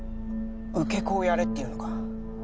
受け子をやれっていうのか？